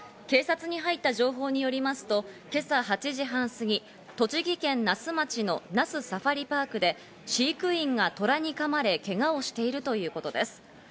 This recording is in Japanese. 警察に入った情報によりますと、今朝８時半過ぎ、栃木県那須町の那須サファリパークで飼育員がトラにかまれ、けがをしているということです。